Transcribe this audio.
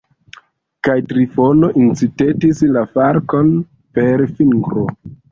Kaj Trifono incitetis la falkon per fingro.